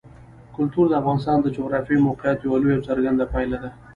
کلتور د افغانستان د جغرافیایي موقیعت یوه لویه او څرګنده پایله ده.